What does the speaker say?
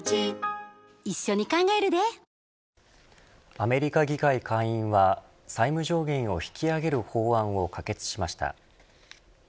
アメリカ議会下院は債務上限を引き上げる法案を可決しました。